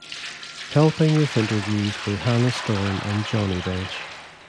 Helping with interviews were Hannah Storm and Johnny Bench.